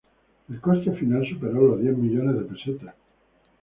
El coste final superó los diez millones de pesetas.